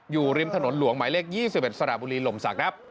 อยู่ริมถนนหลวงหมายเลข๒๑สระบุรีหล่มศักดิ์ครับ